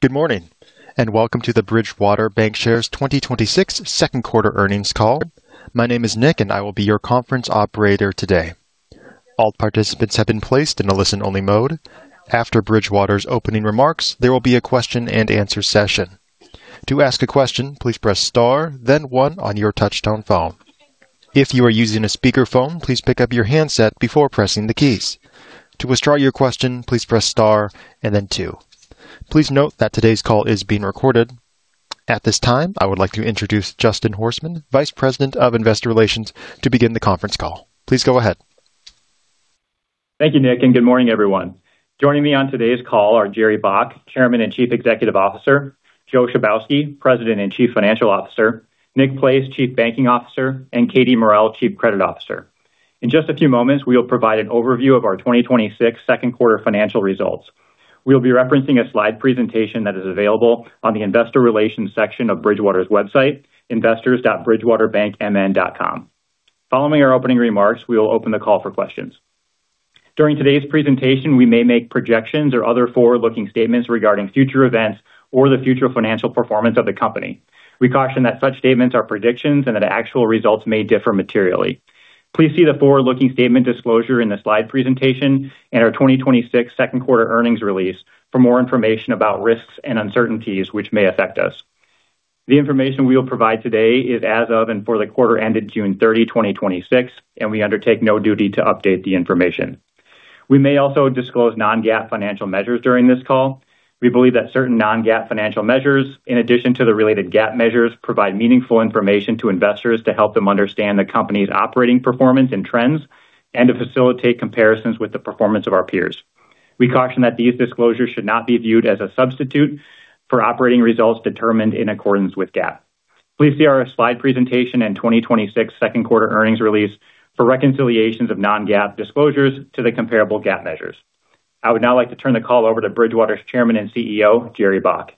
Good morning, and welcome to the Bridgewater Bancshares 2026 second quarter earnings call. My name is Nick, I will be your conference operator today. All participants have been placed in a listen-only mode. After Bridgewater's opening remarks, there will be a question-and-answer session. To ask a question, please press star then one on your touch-tone phone. If you are using a speakerphone, please pick up your handset before pressing the keys. To withdraw your question, please press star and then two. Please note that today's call is being recorded. At this time, I would like to introduce Justin Horstman, Vice President of Investor Relations, to begin the conference call. Please go ahead. Thank you, Nick, good morning, everyone. Joining me on today's call are Jerry Baack, Chairman and Chief Executive Officer, Joe Chybowski, President and Chief Financial Officer, Nick Place, Chief Banking Officer, and Katie Morrell, Chief Credit Officer. In just a few moments, we will provide an overview of our 2026 second quarter financial results. We'll be referencing a slide presentation that is available on the Investor Relations section of Bridgewater's website, investors.bridgewaterbankmn.com. Following our opening remarks, we will open the call for questions. During today's presentation, we may make projections or other forward-looking statements regarding future events or the future financial performance of the company. We caution that such statements are predictions and that actual results may differ materially. Please see the forward-looking statement disclosure in the slide presentation and our 2026 second quarter earnings release for more information about risks and uncertainties which may affect us. The information we'll provide today is as of and for the quarter ended June 30th, 2026, and we undertake no duty to update the information. We may also disclose non-GAAP financial measures during this call. We believe that certain non-GAAP financial measures, in addition to the related GAAP measures, provide meaningful information to investors to help them understand the company's operating performance and trends and to facilitate comparisons with the performance of our peers. We caution that these disclosures should not be viewed as a substitute for operating results determined in accordance with GAAP. Please see our slide presentation and 2026 second quarter earnings release for reconciliations of non-GAAP disclosures to the comparable GAAP measures. I would now like to turn the call over to Bridgewater's Chairman and CEO, Jerry Baack.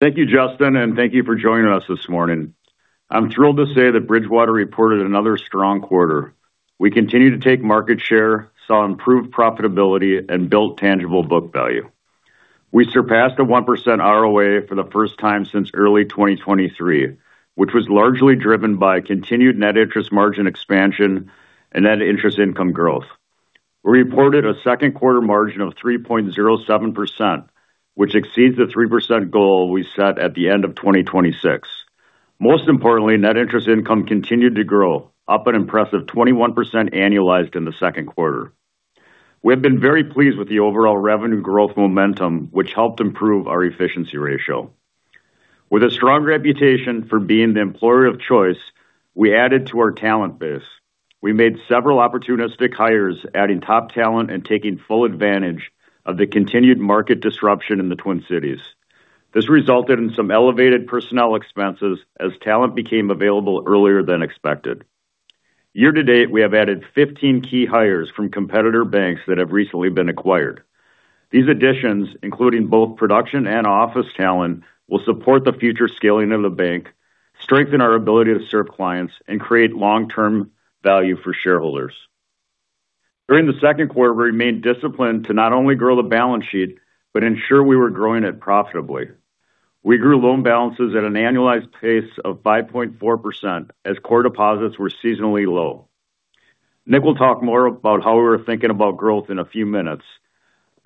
Thank you, Justin, thank you for joining us this morning. I'm thrilled to say that Bridgewater reported another strong quarter. We continue to take market share, saw improved profitability, and built tangible book value. We surpassed a 1% ROA for the first time since early 2023, which was largely driven by continued net interest margin expansion and net interest income growth. We reported a second quarter margin of 3.07%, which exceeds the 3% goal we set at the end of 2026. Most importantly, net interest income continued to grow, up an impressive 21% annualized in the second quarter. We have been very pleased with the overall revenue growth momentum, which helped improve our efficiency ratio. With a strong reputation for being the employer of choice, we added to our talent base. We made several opportunistic hires, adding top talent and taking full advantage of the continued market disruption in the Twin Cities. This resulted in some elevated personnel expenses as talent became available earlier than expected. Year-to-date, we have added 15 key hires from competitor banks that have recently been acquired. These additions, including both production and office talent, will support the future scaling of the bank, strengthen our ability to serve clients, and create long-term value for shareholders. During the second quarter, we remained disciplined to not only grow the balance sheet but ensure we were growing it profitably. We grew loan balances at an annualized pace of 5.4% as core deposits were seasonally low. Nick will talk more about how we're thinking about growth in a few minutes.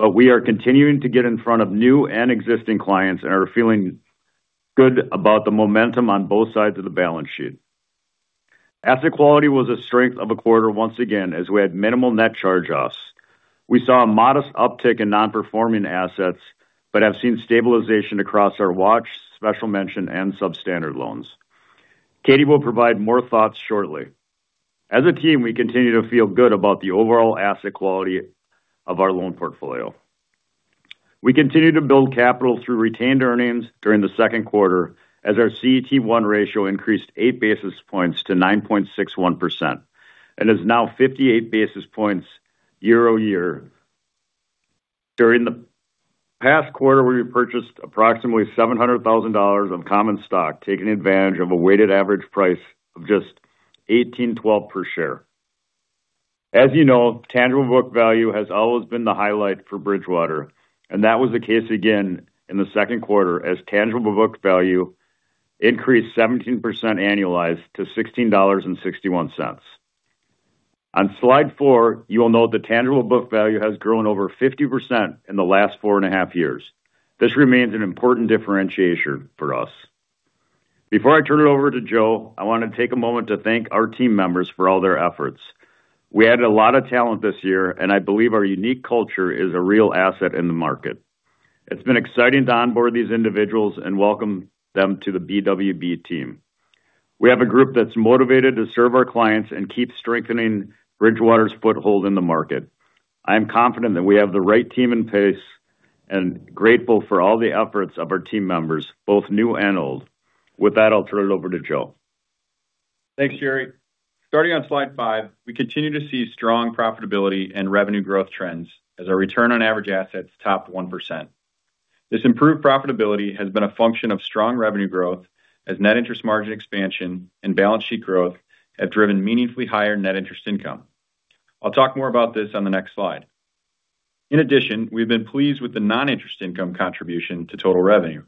We are continuing to get in front of new and existing clients and are feeling good about the momentum on both sides of the balance sheet. Asset quality was a strength of a quarter once again, as we had minimal net charge-offs. We saw a modest uptick in non-performing assets but have seen stabilization across our watch, special mention, and substandard loans. Katie will provide more thoughts shortly. As a team, we continue to feel good about the overall asset quality of our loan portfolio. We continue to build capital through retained earnings during the second quarter as our CET1 ratio increased 8 basis points to 9.61% and is now 58 basis points year-over-year. During the past quarter, we repurchased approximately $700,000 of common stock, taking advantage of a weighted average price of just $18.12 per share. As you know, tangible book value has always been the highlight for Bridgewater, and that was the case again in the second quarter as tangible book value increased 17% annualized to $16.61. On slide four, you will note the tangible book value has grown over 50% in the last 4.5 years. This remains an important differentiator for us. Before I turn it over to Joe, I want to take a moment to thank our team members for all their efforts. I believe our unique culture is a real asset in the market. It's been exciting to onboard these individuals and welcome them to the BWB team. We have a group that's motivated to serve our clients and keep strengthening Bridgewater's foothold in the market. I'm confident that we have the right team in place and grateful for all the efforts of our team members, both new and old. With that, I'll turn it over to Joe. Thanks, Jerry. Starting on slide five, we continue to see strong profitability and revenue growth trends as our return on average assets top 1%. This improved profitability has been a function of strong revenue growth as net interest margin expansion and balance sheet growth have driven meaningfully higher net interest income. I'll talk more about this on the next slide. In addition, we've been pleased with the non-interest income contribution to total revenue.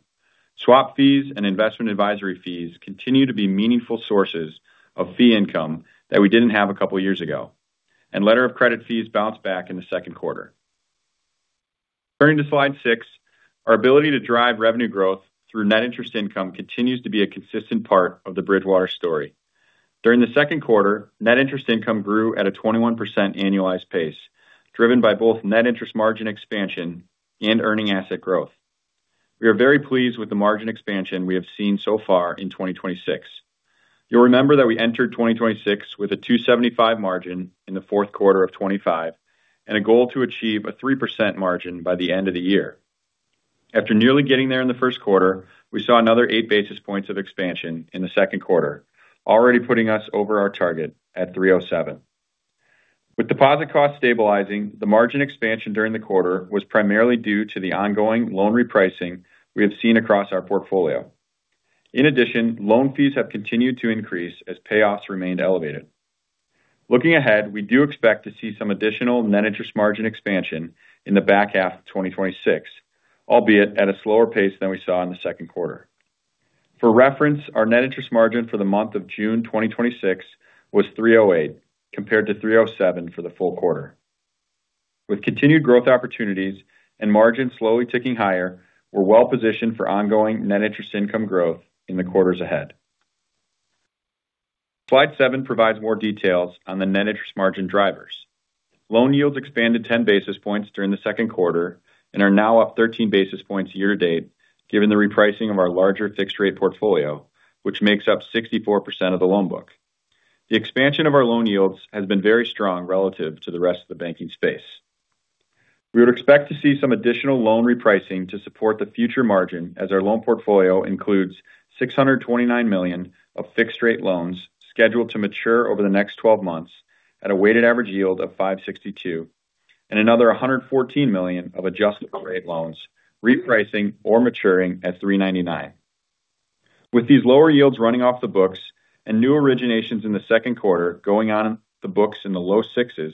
Swap fees and investment advisory fees continue to be meaningful sources of fee income that we didn't have a couple of years ago. Letter of credit fees bounced back in the second quarter. Turning to slide six, our ability to drive revenue growth through net interest income continues to be a consistent part of the Bridgewater story. During the second quarter, net interest income grew at a 21% annualized pace, driven by both net interest margin expansion and earning asset growth. We are very pleased with the margin expansion we have seen so far in 2026. You'll remember that we entered 2026 with a 275 margin in the fourth quarter of 2025 and a goal to achieve a 3% margin by the end of the year. After nearly getting there in the first quarter, we saw another 8 basis points of expansion in the second quarter, already putting us over our target at 3.07%. With deposit costs stabilizing, the margin expansion during the quarter was primarily due to the ongoing loan repricing we have seen across our portfolio. In addition, loan fees have continued to increase as payoffs remained elevated. Looking ahead, we do expect to see some additional net interest margin expansion in the back half of 2026, albeit at a slower pace than we saw in the second quarter. For reference, our net interest margin for the month of June 2026 was 3.08%, compared to 3.07% for the full quarter. With continued growth opportunities and margins slowly ticking higher, we're well-positioned for ongoing net interest income growth in the quarters ahead. Slide seven provides more details on the net interest margin drivers. Loan yields expanded 10 basis points during the second quarter and are now up 13 basis points year-to-date, given the repricing of our larger fixed-rate portfolio, which makes up 64% of the loan book. The expansion of our loan yields has been very strong relative to the rest of the banking space. We would expect to see some additional loan repricing to support the future margin, as our loan portfolio includes $629 million of fixed-rate loans scheduled to mature over the next 12 months at a weighted average yield of 5.62%, and another $114 million of adjustable-rate loans repricing or maturing at 3.99%. With these lower yields running off the books and new originations in the second quarter going on the books in the low 6%,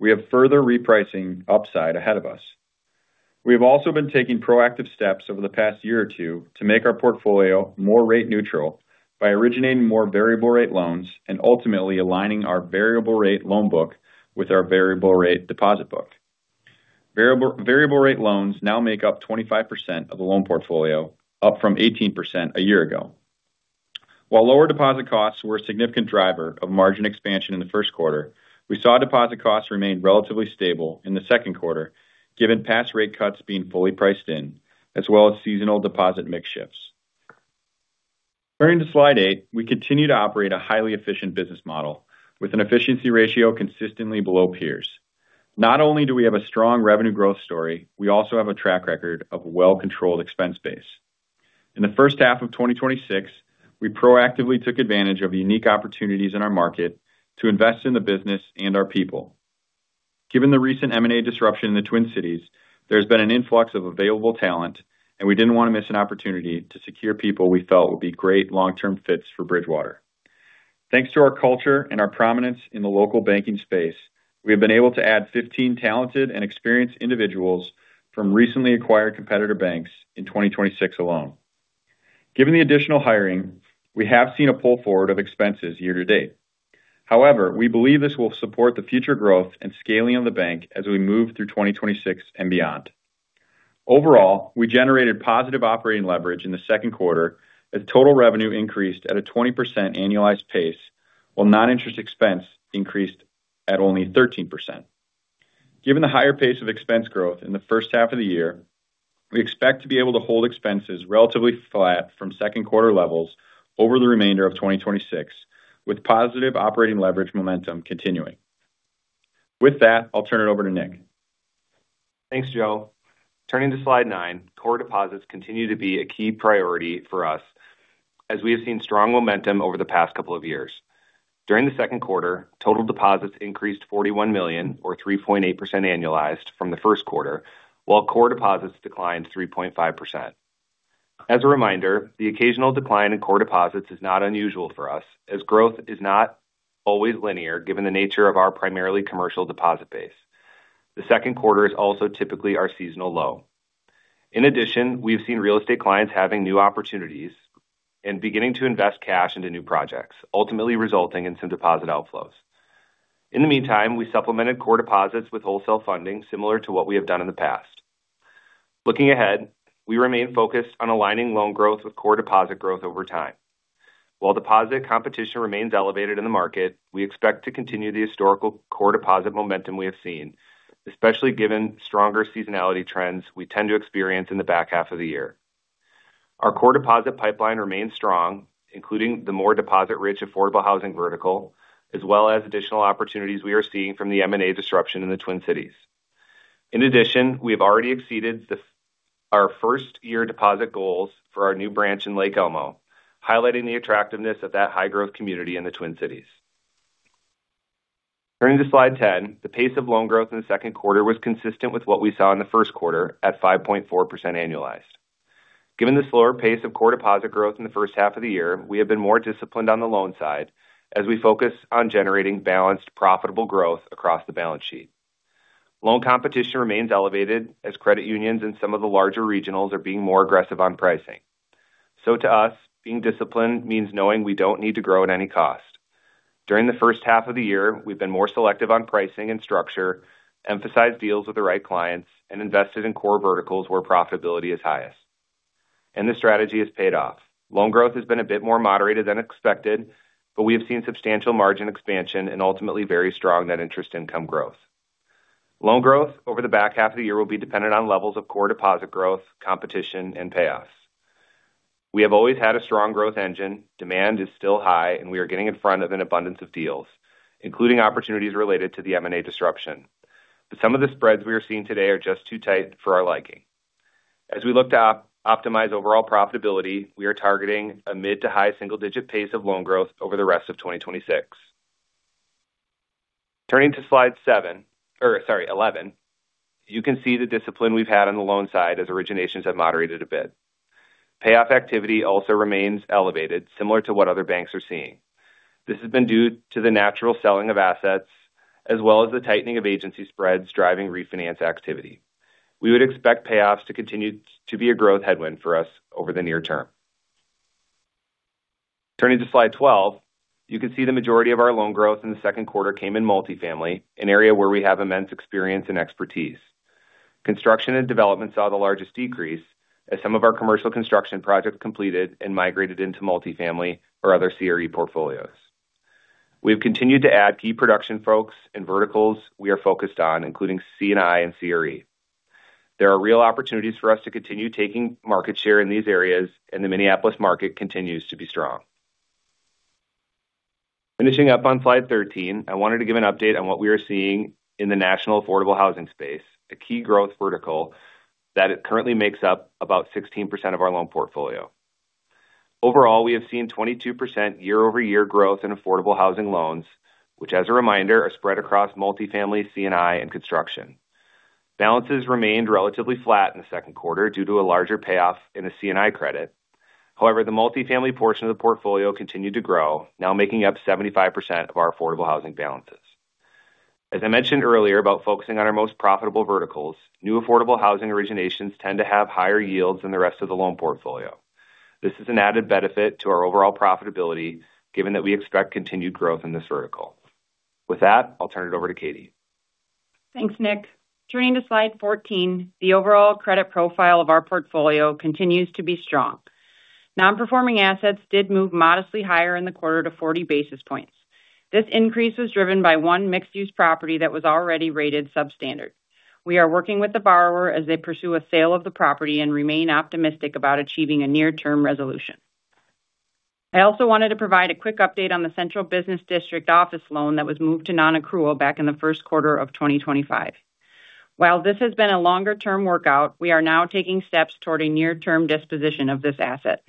we have further repricing upside ahead of us. We have also been taking proactive steps over the past year or two to make our portfolio more rate neutral by originating more variable rate loans and ultimately aligning our variable rate loan book with our variable rate deposit book. Variable rate loans now make up 25% of the loan portfolio, up from 18% a year ago. While lower deposit costs were a significant driver of margin expansion in the first quarter, we saw deposit costs remain relatively stable in the second quarter, given past rate cuts being fully priced in, as well as seasonal deposit mix shifts. Turning to slide eight, we continue to operate a highly efficient business model with an efficiency ratio consistently below peers. Not only do we have a strong revenue growth story, we also have a track record of a well-controlled expense base. In the first half of 2026, we proactively took advantage of unique opportunities in our market to invest in the business and our people. Given the recent M&A disruption in the Twin Cities, there has been an influx of available talent, and we didn't want to miss an opportunity to secure people we felt would be great long-term fits for Bridgewater. Thanks to our culture and our prominence in the local banking space, we have been able to add 15 talented and experienced individuals from recently acquired competitor banks in 2026 alone. Given the additional hiring, we have seen a pull forward of expenses year-to-date. However, we believe this will support the future growth and scaling of the bank as we move through 2026 and beyond. Overall, we generated positive operating leverage in the second quarter as total revenue increased at a 20% annualized pace, while non-interest expense increased at only 13%. Given the higher pace of expense growth in the first half of the year, we expect to be able to hold expenses relatively flat from second quarter levels over the remainder of 2026, with positive operating leverage momentum continuing. With that, I'll turn it over to Nick. Thanks, Joe. Turning to slide nine. Core deposits continue to be a key priority for us as we have seen strong momentum over the past couple of years. During the second quarter, total deposits increased $41 million, or 3.8% annualized from the first quarter, while core deposits declined 3.5%. As a reminder, the occasional decline in core deposits is not unusual for us as growth is not always linear given the nature of our primarily commercial deposit base. The second quarter is also typically our seasonal low. In addition, we have seen real estate clients having new opportunities and beginning to invest cash into new projects, ultimately resulting in some deposit outflows. In the meantime, we supplemented core deposits with wholesale funding similar to what we have done in the past. Looking ahead, we remain focused on aligning loan growth with core deposit growth over time. While deposit competition remains elevated in the market, we expect to continue the historical core deposit momentum we have seen, especially given stronger seasonality trends we tend to experience in the back half of the year. Our core deposit pipeline remains strong, including the more deposit-rich affordable housing vertical, as well as additional opportunities we are seeing from the M&A disruption in the Twin Cities. In addition, we have already exceeded our first-year deposit goals for our new branch in Lake Elmo, highlighting the attractiveness of that high-growth community in the Twin Cities. Turning to slide 10, the pace of loan growth in the second quarter was consistent with what we saw in the first quarter at 5.4% annualized. Given the slower pace of core deposit growth in the first half of the year, we have been more disciplined on the loan side as we focus on generating balanced, profitable growth across the balance sheet. Loan competition remains elevated as credit unions and some of the larger regionals are being more aggressive on pricing. To us, being disciplined means knowing we don't need to grow at any cost. During the first half of the year, we've been more selective on pricing and structure, emphasized deals with the right clients, and invested in core verticals where profitability is highest. The strategy has paid off. Loan growth has been a bit more moderated than expected, but we have seen substantial margin expansion and ultimately very strong net interest income growth. Loan growth over the back half of the year will be dependent on levels of core deposit growth, competition, and payoffs. We have always had a strong growth engine. Demand is still high, and we are getting in front of an abundance of deals, including opportunities related to the M&A disruption. Some of the spreads we are seeing today are just too tight for our liking. As we look to optimize overall profitability, we are targeting a mid to high single-digit pace of loan growth over the rest of 2026. Turning to slide 11, you can see the discipline we've had on the loan side as originations have moderated a bit. Payoff activity also remains elevated, similar to what other banks are seeing. This has been due to the natural selling of assets as well as the tightening of agency spreads driving refinance activity. We would expect payoffs to continue to be a growth headwind for us over the near term. Turning to slide 12, you can see the majority of our loan growth in the second quarter came in multifamily, an area where we have immense experience and expertise. Construction and development saw the largest decrease as some of our commercial construction projects completed and migrated into multifamily or other CRE portfolios. We've continued to add key production folks in verticals we are focused on, including C&I and CRE. There are real opportunities for us to continue taking market share in these areas, and the Minneapolis market continues to be strong. Finishing up on slide 13, I wanted to give an update on what we are seeing in the national affordable housing space, a key growth vertical that it currently makes up about 16% of our loan portfolio. Overall, we have seen 22% year-over-year growth in affordable housing loans, which as a reminder, are spread across multifamily, C&I, and construction. Balances remained relatively flat in the second quarter due to a larger payoff in the C&I credit. However, the multifamily portion of the portfolio continued to grow, now making up 75% of our affordable housing balances. As I mentioned earlier about focusing on our most profitable verticals, new affordable housing originations tend to have higher yields than the rest of the loan portfolio. This is an added benefit to our overall profitability given that we expect continued growth in this vertical. With that, I'll turn it over to Katie. Thanks, Nick. Turning to slide 14, the overall credit profile of our portfolio continues to be strong. Non-performing assets did move modestly higher in the quarter to 40 basis points. This increase was driven by one mixed-use property that was already rated substandard. We are working with the borrower as they pursue a sale of the property and remain optimistic about achieving a near-term resolution. I also wanted to provide a quick update on the central business district office loan that was moved to non-accrual back in the first quarter of 2025. While this has been a longer-term workout, we are now taking steps toward a near-term disposition of this asset.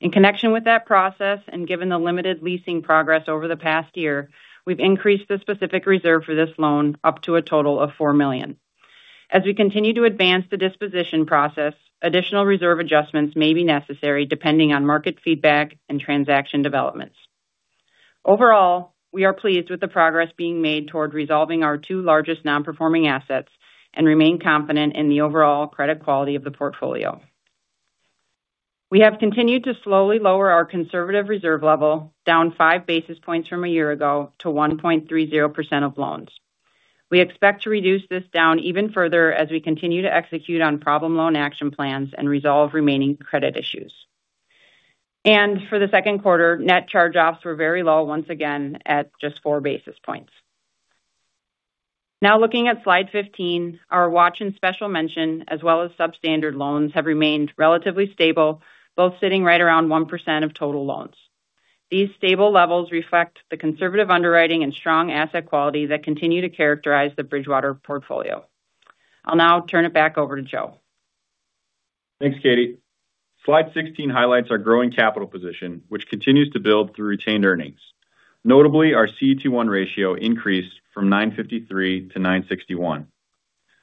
In connection with that process and given the limited leasing progress over the past year, we've increased the specific reserve for this loan up to a total of $4 million. As we continue to advance the disposition process, additional reserve adjustments may be necessary depending on market feedback and transaction developments. Overall, we are pleased with the progress being made toward resolving our two largest non-performing assets and remain confident in the overall credit quality of the portfolio. We have continued to slowly lower our conservative reserve level down 5 basis points from a year ago to 1.30% of loans. We expect to reduce this down even further as we continue to execute on problem loan action plans and resolve remaining credit issues. For the second quarter, net charge-offs were very low once again at just 4 basis points. Now looking at slide 15, our watch and special mention as well as substandard loans have remained relatively stable, both sitting right around 1% of total loans. These stable levels reflect the conservative underwriting and strong asset quality that continue to characterize the Bridgewater portfolio. I'll now turn it back over to Joe. Thanks, Katie. Slide 16 highlights our growing capital position, which continues to build through retained earnings. Notably, our CET1 ratio increased from 9.53% to 9.61%.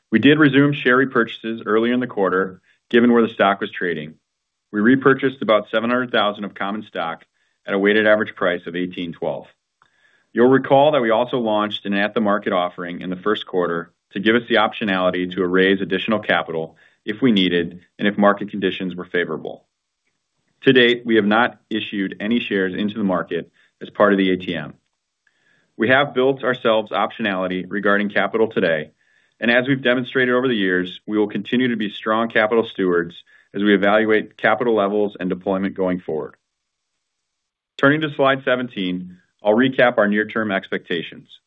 We did resume share repurchases early in the quarter, given where the stock was trading. We repurchased about 700,000 of common stock at a weighted average price of $18.12. You'll recall that we also launched an at-the-market offering in the first quarter to give us the optionality to raise additional capital if we needed and if market conditions were favorable. To date, we have not issued any shares into the market as part of the ATM. We have built ourselves optionality regarding capital today, and as we've demonstrated over the years, we will continue to be strong capital stewards as we evaluate capital levels and deployment going forward. Turning to slide 17, I'll recap our near-term expectations.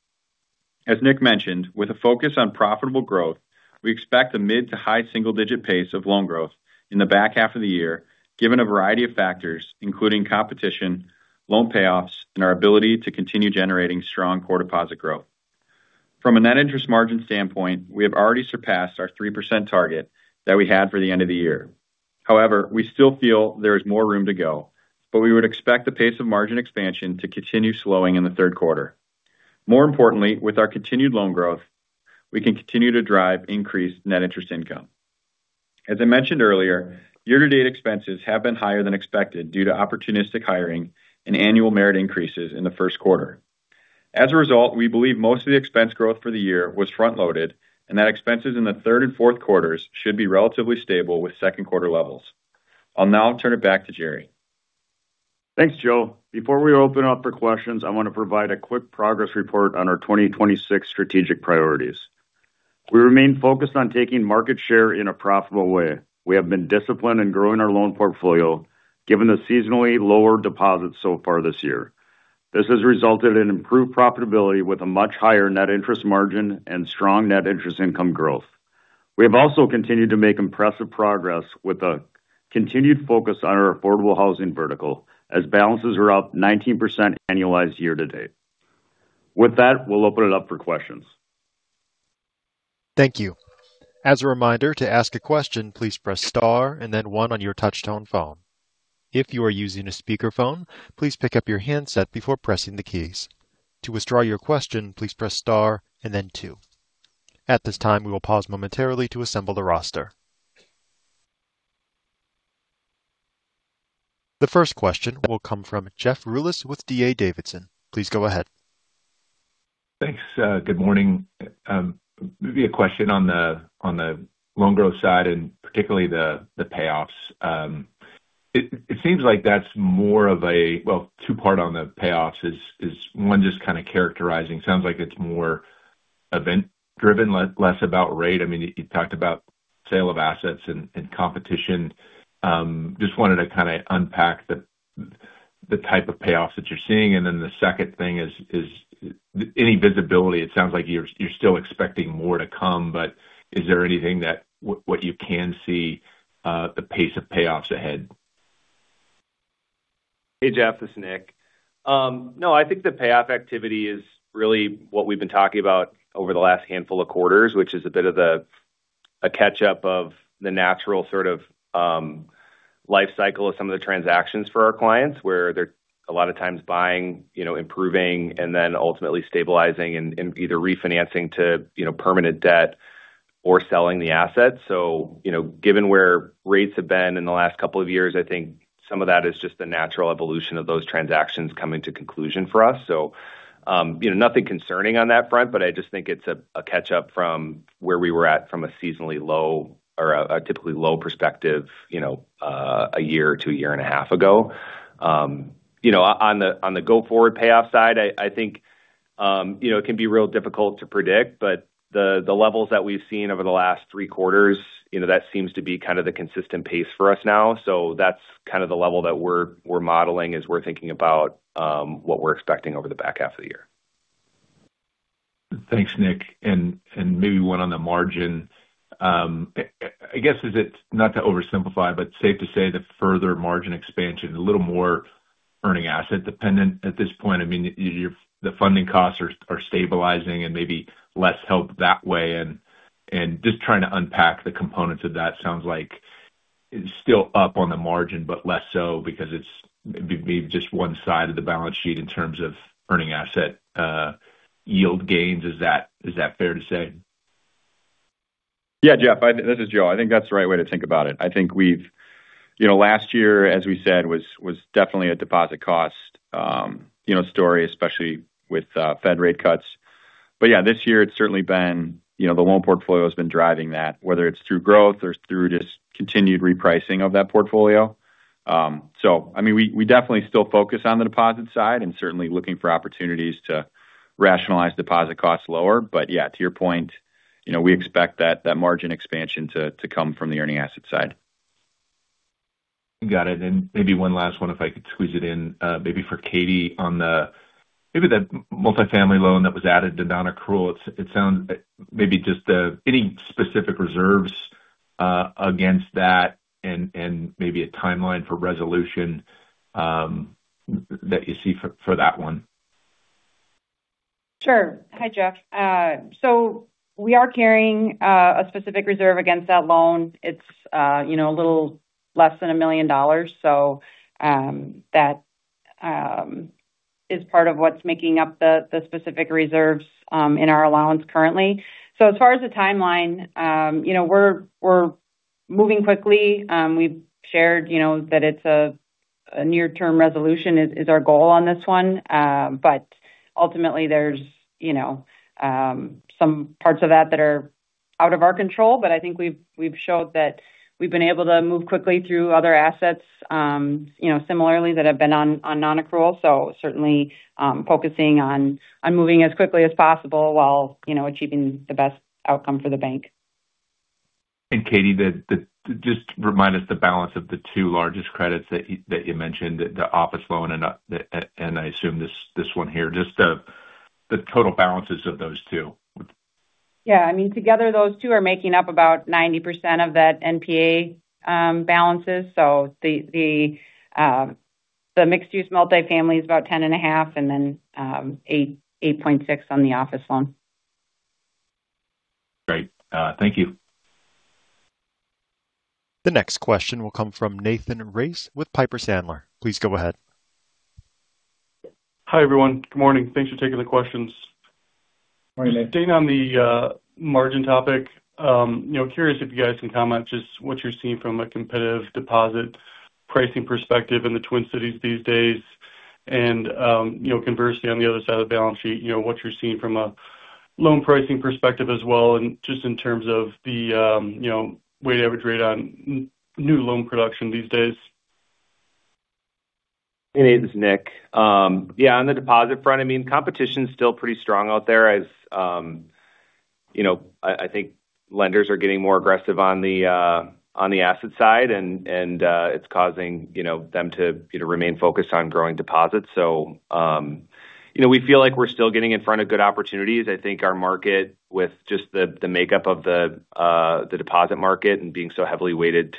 As Nick mentioned, with a focus on profitable growth, we expect a mid to high single-digit pace of loan growth in the back half of the year, given a variety of factors including competition, loan payoffs, and our ability to continue generating strong core deposit growth. From a net interest margin standpoint, we have already surpassed our 3% target that we had for the end of the year. However, we still feel there is more room to go, but we would expect the pace of margin expansion to continue slowing in the third quarter. More importantly, with our continued loan growth, we can continue to drive increased net interest income. As I mentioned earlier, year-to-date expenses have been higher than expected due to opportunistic hiring and annual merit increases in the first quarter. As a result, we believe most of the expense growth for the year was front-loaded, and that expenses in the third and fourth quarters should be relatively stable with second quarter levels. I'll now turn it back to Jerry. Thanks, Joe. Before we open up for questions, I want to provide a quick progress report on our 2026 strategic priorities. We remain focused on taking market share in a profitable way. We have been disciplined in growing our loan portfolio, given the seasonally lower deposits so far this year. This has resulted in improved profitability with a much higher net interest margin and strong net interest income growth. We have also continued to make impressive progress with a continued focus on our affordable housing vertical, as balances are up 19% annualized year-to-date. With that, we'll open it up for questions. Thank you. As a reminder, to ask a question, please press star and then one on your touch-tone phone. If you are using a speakerphone, please pick up your handset before pressing the keys. To withdraw your question, please press star and then two. At this time, we will pause momentarily to assemble the roster. The first question will come from Jeff Rulis with D.A. Davidson. Please go ahead. Thanks, and good morning. Maybe a question on the loan growth side, and particularly the payoffs. It seems like that's more of a well, two-part on the payoffs is one just kind of characterizing. Sounds like it's more event driven, less about rate. You talked about sale of assets and competition. Just wanted to kind of unpack the type of payoffs that you're seeing. Then the second thing is any visibility. It sounds like you're still expecting more to come, but is there anything that what you can see the pace of payoffs ahead? Hey, Jeff, this is Nick. I think the payoff activity is really what we've been talking about over the last handful of quarters, which is a bit of a catch-up of the natural sort of life cycle of some of the transactions for our clients, where they're a lot of times buying, improving, and then ultimately stabilizing and either refinancing to permanent debt or selling the assets. Given where rates have been in the last couple of years, I think some of that is just the natural evolution of those transactions coming to conclusion for us. Nothing concerning on that front, but I just think it's a catch-up from where we were at from a seasonally low or a typically low perspective a year to 1.5-year ago. On the go forward payoff side, I think it can be real difficult to predict, but the levels that we've seen over the last three quarters, that seems to be the consistent pace for us now. That's the level that we're modeling as we're thinking about what we're expecting over the back half of the year. Thanks, Nick. Maybe one on the margin. I guess is it, not to oversimplify, but safe to say that further margin expansion, a little more earning asset dependent at this point? The funding costs are stabilizing and maybe less help that way, and just trying to unpack the components of that sounds like it's still up on the margin, but less so because it's maybe just one side of the balance sheet in terms of earning asset yield gains. Is that fair to say? Yeah, Jeff, this is Joe. I think that's the right way to think about it. I think last year, as we said, was definitely a deposit cost story, especially with Fed rate cuts. Yeah, this year it's certainly been the loan portfolio has been driving that, whether it's through growth or through just continued repricing of that portfolio. We definitely still focus on the deposit side and certainly looking for opportunities to rationalize deposit costs lower. Yeah, to your point, we expect that margin expansion to come from the earning asset side. Got it. Maybe one last one if I could squeeze it in, maybe for Katie on the maybe that multi-family loan that was added to nonaccrual. Any specific reserves against that and maybe a timeline for resolution that you see for that one? Sure. Hi, Jeff. We are carrying a specific reserve against that loan. It's a little less than $1 million. That is part of what's making up the specific reserves in our allowance currently. As far as the timeline, we're moving quickly. We've shared that a near-term resolution is our goal on this one. Ultimately there's some parts of that are out of our control. I think we've showed that we've been able to move quickly through other assets similarly that have been on nonaccrual. Certainly focusing on moving as quickly as possible while achieving the best outcome for the bank. Katie, just remind us the balance of the two largest credits that you mentioned, the office loan and I assume this one here. Just the total balances of those two. Yeah, together those two are making up about 90% of that NPA balances. The mixed-use multifamily is about $10.5 million, and then $8.6 million on the office loan. Great, thank you. The next question will come from Nathan Race with Piper Sandler. Please go ahead. Hi, everyone. Good morning. Thanks for taking the questions. Morning, Nathan. Staying on the margin topic, curious if you guys can comment just what you're seeing from a competitive deposit pricing perspective in the Twin Cities these days, and conversely, on the other side of the balance sheet, what you're seeing from a loan pricing perspective as well, and just in terms of the weighted average rate on new loan production these days. Hey, Nathan. It's Nick. Yeah, on the deposit front, competition's still pretty strong out there as I think lenders are getting more aggressive on the asset side and it's causing them to remain focused on growing deposits. We feel like we're still getting in front of good opportunities. I think our market, with just the makeup of the deposit market and being so heavily weighted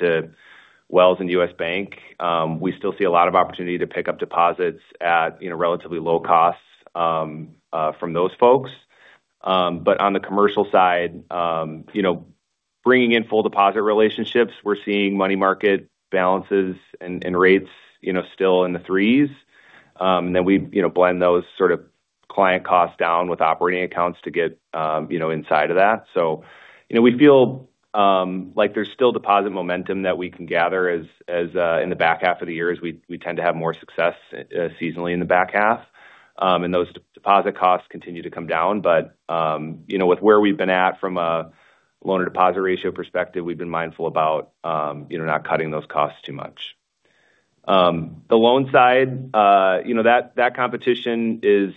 to Wells Fargo and U.S. Bank, we still see a lot of opportunity to pick up deposits at relatively low costs from those folks. On the commercial side, bringing in full deposit relationships, we're seeing money market balances and rates still in the 3%. We blend those sort of client costs down with operating accounts to get inside of that. We feel like there's still deposit momentum that we can gather in the back half of the year, as we tend to have more success seasonally in the back half. Those deposit costs continue to come down. With where we've been at from a loan-to-deposit ratio perspective, we've been mindful about not cutting those costs too much. The loan side, that competition is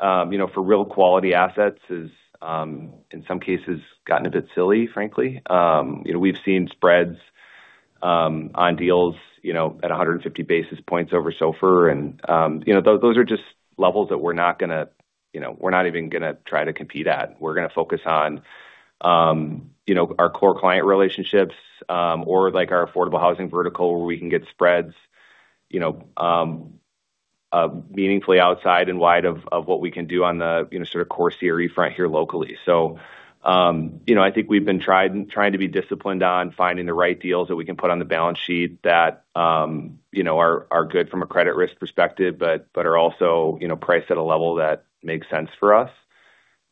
for real quality assets is, in some cases, gotten a bit silly, frankly. We've seen spreads on deals at 150 basis points over SOFR and those are just levels that we're not even going to try to compete at. We're going to focus on our core client relationships, or our affordable housing vertical where we can get spreads meaningfully outside and wide of what we can do on the sort of core CRE front here locally. I think we've been trying to be disciplined on finding the right deals that we can put on the balance sheet that are good from a credit risk perspective but are also priced at a level that makes sense for us.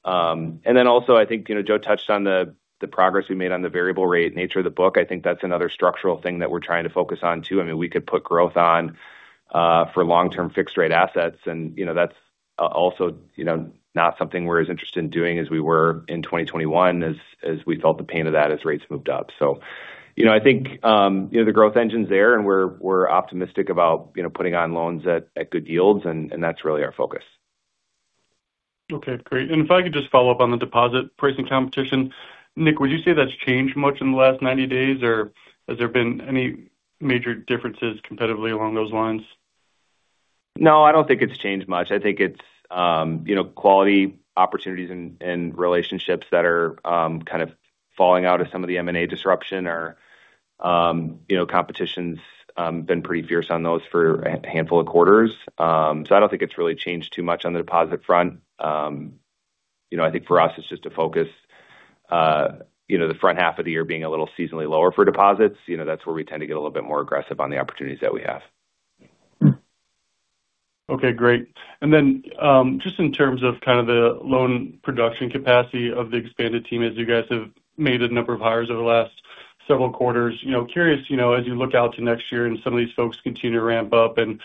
Also, I think Joe touched on the progress we made on the variable rate nature of the book. I think that's another structural thing that we're trying to focus on, too. We could put growth on for long-term fixed rate assets, and that's also not something we're as interested in doing as we were in 2021, as we felt the pain of that as rates moved up. I think the growth engine's there, and we're optimistic about putting on loans at good yields, and that's really our focus. Okay, great. If I could just follow up on the deposit pricing competition. Nick, would you say that's changed much in the last 90 days, or has there been any major differences competitively along those lines? No, I don't think it's changed much. I think it's quality opportunities and relationships that are kind of falling out of some of the M&A disruption or competition's been pretty fierce on those for a handful of quarters. I don't think it's really changed too much on the deposit front. I think for us it's just a focus. The front half of the year being a little seasonally lower for deposits, that's where we tend to get a little bit more aggressive on the opportunities that we have. Okay, great. Just in terms of the loan production capacity of the expanded team, as you guys have made a number of hires over the last several quarters. Curious, as you look out to next year and some of these folks continue to ramp up and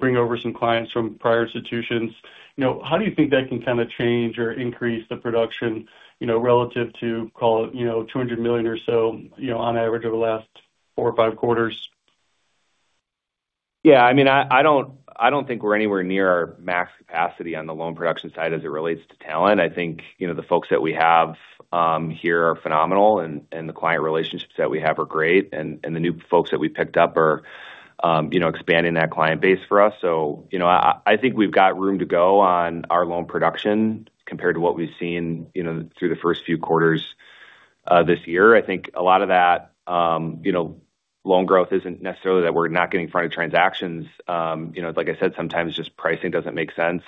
bring over some clients from prior institutions, how do you think that can kind of change or increase the production relative to, call it $200 million or so on average over the last four or five quarters? I don't think we're anywhere near our max capacity on the loan production side as it relates to talent. I think the folks that we have here are phenomenal and the client relationships that we have are great. The new folks that we've picked up are expanding that client base for us. I think we've got room to go on our loan production compared to what we've seen through the first few quarters this year. I think a lot of that loan growth isn't necessarily that we're not getting in front of transactions. Like I said, sometimes just pricing doesn't make sense,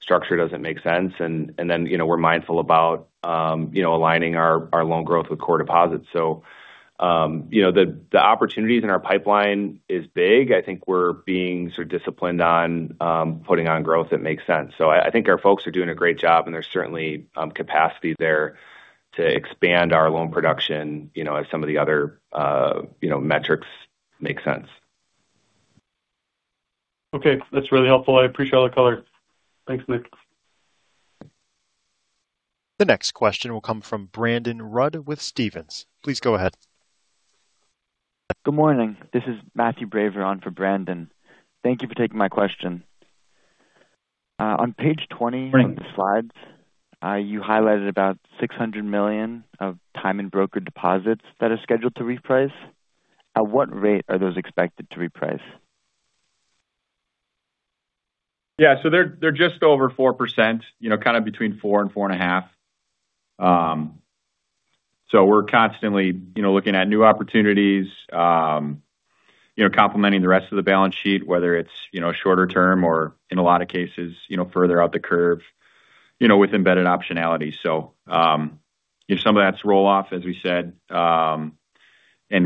structure doesn't make sense, we're mindful about aligning our loan growth with core deposits. The opportunities in our pipeline is big, I think we're being sort of disciplined on putting on growth that makes sense. I think our folks are doing a great job, there's certainly capacity there to expand our loan production as some of the other metrics make sense. That's really helpful. I appreciate all the color. Thanks, Nick. The next question will come from Brandon Rud with Stephens. Please go ahead. Good morning. This is Matthew Braver on for Brandon. Thank you for taking my question. On page 20 of the slides, you highlighted about $600 million of time and broker deposits that are scheduled to reprice. At what rate are those expected to reprice? Yeah. They're just over 4%, kind of between 4% and 4.5%. We're constantly looking at new opportunities. Complementing the rest of the balance sheet, whether it's shorter term or in a lot of cases further out the curve with embedded optionality. If some of that's roll off, as we said, and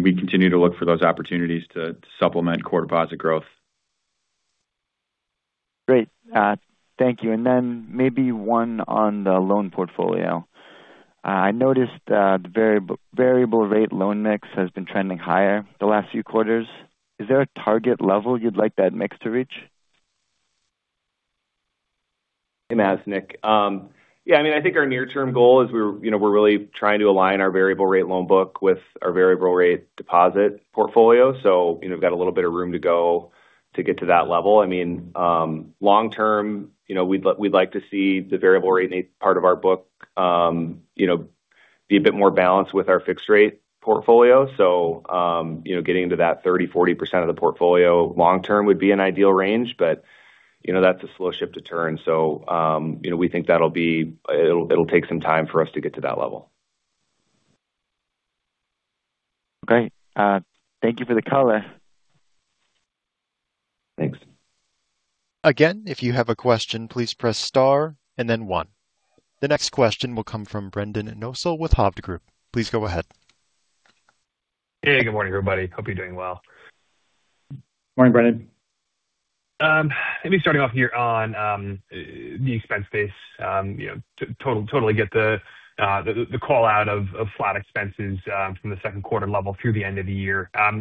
we continue to look for those opportunities to supplement core deposit growth. Great, thank you. Maybe one on the loan portfolio. I noticed the variable rate loan mix has been trending higher the last few quarters. Is there a target level you'd like that mix to reach? This is Nick. Yeah, I think our near-term goal is we're really trying to align our variable rate loan book with our variable rate deposit portfolio. We've got a little bit of room to go to get to that level. Long-term, we'd like to see the variable rate part of our book be a bit more balanced with our fixed rate portfolio. Getting to that 30%, 40% of the portfolio long-term would be an ideal range. That's a slow ship to turn, we think it'll take some time for us to get to that level. Okay, thank you for the color. Thanks. Again, if you have a question, please press star and then one. The next question will come from Brendan Nosal with Hovde Group. Please go ahead. Hey, good morning, everybody. Hope you're doing well. Morning, Brendan. Let me start off here on the expense base. Totally get the call-out of flat expenses from the second quarter level through the end of the year. Was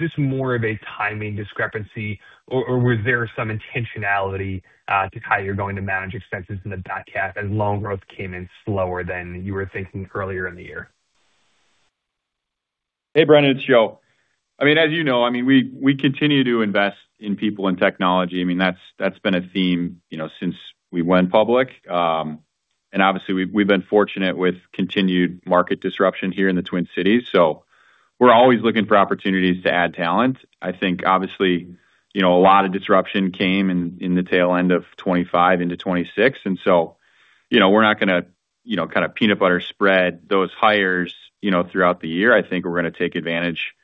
this more of a timing discrepancy, or was there some intentionality to how you're going to manage expenses in the back half as loan growth came in slower than you were thinking earlier in the year? Hey, Brendan, it's Joe. As you know, we continue to invest in people and technology. That's been a theme since we went public. Obviously, we've been fortunate with continued market disruption here in the Twin Cities. We're always looking for opportunities to add talent. I think obviously a lot of disruption came in the tail end of 2025 into 2026. We're not going to kind of peanut butter spread those hires throughout the year. I think we're going to take advantage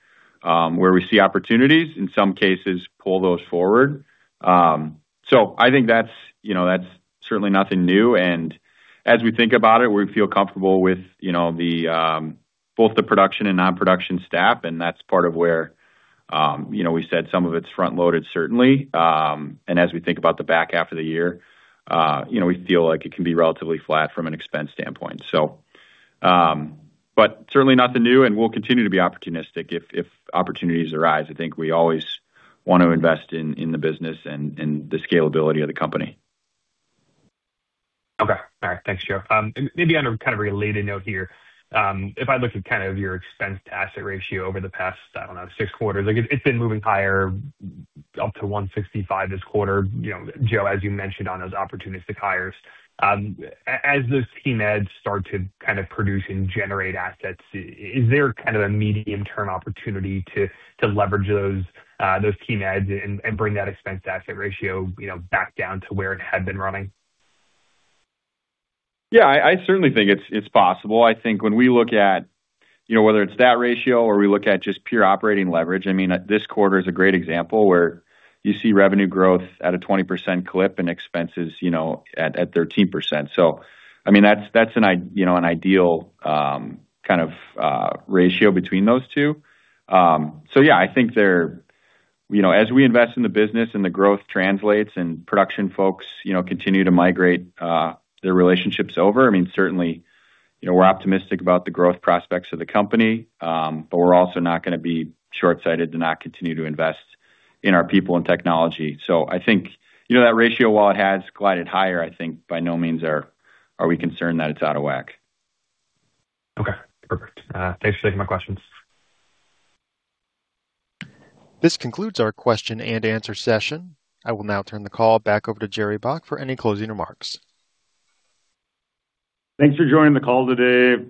where we see opportunities, in some cases pull those forward. I think that's certainly nothing new. As we think about it, we feel comfortable with both the production and non-production staff, and that's part of where we said some of it's front-loaded certainly. As we think about the back half of the year, we feel like it can be relatively flat from an expense standpoint. Certainly nothing new, and we'll continue to be opportunistic if opportunities arise. I think we always want to invest in the business and the scalability of the company. Okay. All right. Thanks, Joe. Maybe on a kind of related note here. If I look at your expense-to-asset ratio over the past, I don't know, six quarters, it's been moving higher up to 1.65% this quarter. Joe, as you mentioned on those opportunistic hires, as those team adds start to kind of produce and generate assets, is there a medium-term opportunity to leverage those team adds and bring that expense-to-asset ratio back down to where it had been running? I certainly think it's possible. I think when we look at whether it's that ratio or we look at just pure operating leverage, this quarter is a great example where you see revenue growth at a 20% clip and expenses at 13%. That's an ideal kind of ratio between those two. I think as we invest in the business and the growth translates and production folks continue to migrate their relationships over, certainly we're optimistic about the growth prospects of the company. We're also not going to be shortsighted to not continue to invest in our people and technology. I think that ratio, while it has glided higher, I think by no means are we concerned that it's out of whack. Okay, perfect. Thanks for taking my questions. This concludes our question-and-answer session. I will now turn the call back over to Jerry Baack for any closing remarks. Thanks for joining the call today.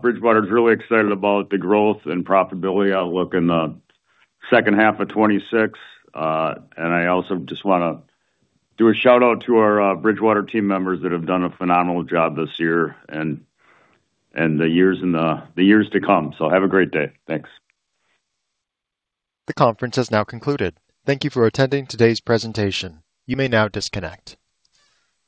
Bridgewater's really excited about the growth and profitability outlook in the second half of 2026. I also just want to do a shout-out to our Bridgewater team members that have done a phenomenal job this year and the years to come. Have a great day. Thanks. The conference has now concluded. Thank you for attending today's presentation. You may now disconnect.